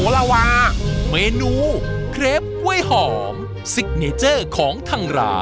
ร้านนี้ชอบอันนี้ใครมา